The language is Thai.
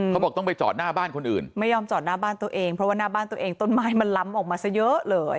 เขาบอกต้องไปจอดหน้าบ้านคนอื่นไม่ยอมจอดหน้าบ้านตัวเองเพราะว่าหน้าบ้านตัวเองต้นไม้มันล้ำออกมาซะเยอะเลย